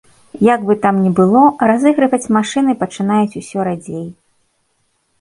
Як бы там ні было, разыгрываць машыны пачынаюць усё радзей.